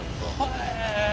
へえ！